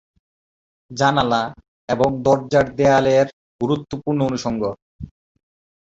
জানালা এবং দরজা দেয়ালের গুরুত্বপূর্ণ অনুষঙ্গ।